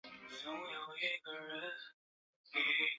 秋季大赛出现的黑马式强队。